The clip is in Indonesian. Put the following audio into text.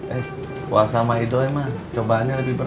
eh puasa mah itu emang cobaannya lebih berat